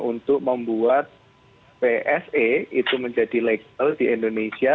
untuk membuat pse itu menjadi legal di indonesia